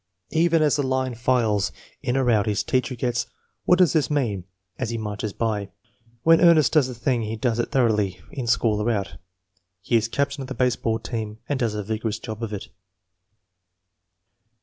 Even as the line files in or out his teacher gets a "What does this mean?" as he marches by. When Ernest does a thing he does it thor oughly, in school or out. He is captain of the baseball team and docs a vigorous job of it.